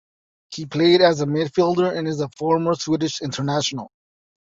He played as a midfielder and is a former Swedish international.